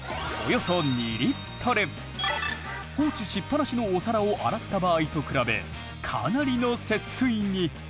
放置しっぱなしのお皿を洗った場合と比べかなりの節水に！